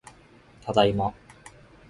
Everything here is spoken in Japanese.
ただいま